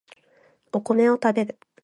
お米を食べる